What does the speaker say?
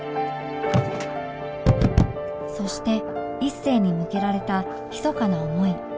そして一星に向けられたひそかな思い